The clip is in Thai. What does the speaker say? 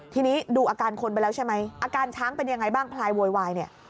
ทีนี้ดูอาการคนไปแล้วใช่ไหมอาการช้างเป็นยังไงบ้างพลายโวยวายเนี่ย